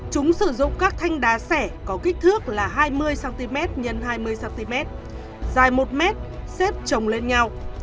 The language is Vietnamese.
chúng sử dụng các thanh đá xẻ có kích thước là hai mươi cm x hai mươi cm dài một m xếp trồng lên nhau